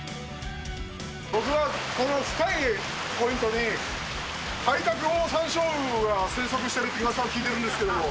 僕は、この深いポイントに、タイカクオオサンショウウオが生息しているといううわさを聞いてるんですけど。